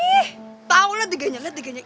ih tau lah diganya ganya